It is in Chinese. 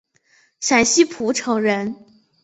陕西蒲城人。